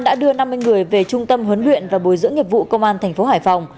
đã đưa năm mươi người về trung tâm huấn luyện và bồi dưỡng nghiệp vụ công an thành phố hải phòng